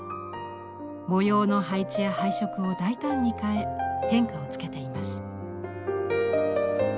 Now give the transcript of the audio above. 模様の配置や配色を大胆に変え変化をつけています。